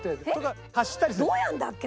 えっどうやるんだっけ？